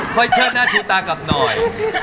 ช่วยเชิดหน้าชิดตากลับหน่อย